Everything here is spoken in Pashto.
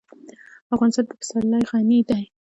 افغانستان په پسرلی غني دی.